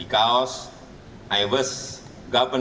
karena saya berpengalaman